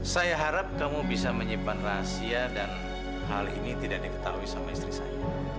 saya harap kamu bisa menyimpan rahasia dan hal ini tidak diketahui sama istri saya